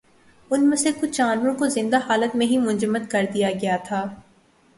ان میں سے کچھ جانوروں کو زندہ حالت میں ہی منجمد کردیا گیا تھا۔